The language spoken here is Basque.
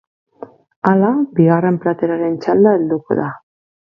Hala, bigarren plateraren txanda helduko da.